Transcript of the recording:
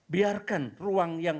biarkan ruang yang